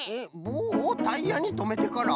ぼうをタイヤにとめてから？